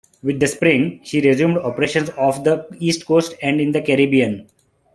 With the spring, she resumed operations off the east coast and in the Caribbean.